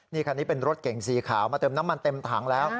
นี่คันนี้เป็นรถเก่งสีขาวมาเติมน้ำมันเต็มถังแล้ว